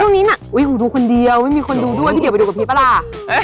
ช่วงนี้น่ะอุ๊ยหูดูคนเดียวไม่มีคนดูด้วยพี่เดี๋ยวไปดูกับพีปะล่ะ